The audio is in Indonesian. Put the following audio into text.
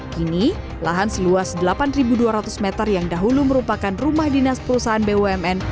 kini lahan seluas delapan dua ratus meter yang dahulu merupakan rumah dinas perusahaan bumn